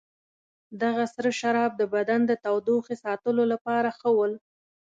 دغه سره شراب د بدن د تودوخې ساتلو لپاره ښه ول.